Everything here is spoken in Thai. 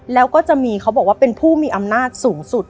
แล้วก็จะมีเขาบอกว่าเป็นผู้มีอำนาจสูงสุด